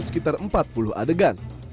sekitar empat puluh adegan